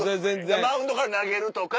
マウンドから投げるとか。